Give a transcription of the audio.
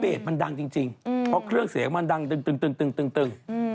มันดังจริงเพราะเครื่องเสียงมันดังตึง